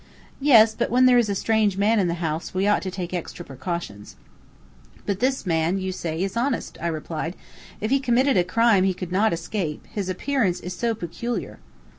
"Yes; but when there is a strange man in the house we ought to take extra precautions." "But this man you say is honest," I replied. "If he committed a crime he could not escape, his appearance is so peculiar."